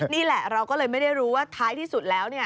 นี่แหละเราก็เลยไม่ได้รู้ว่าท้ายที่สุดแล้ว